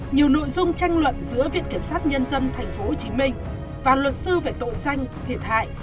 nhiều nội dung tranh luận giữa viện kiểm sát nhân dân tp hcm và luật sư về tội danh thiệt hại